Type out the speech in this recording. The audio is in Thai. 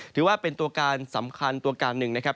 ถือว่าเป็นตัวการสำคัญตัวการหนึ่งนะครับ